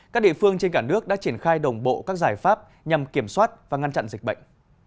các địa phương trên cả nước đã triển khai đồng bộ các giải pháp nhằm kiểm soát và ngăn chặn dịch bệnh